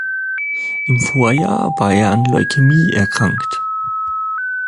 Im Vorjahr war er an Leukämie erkrankt.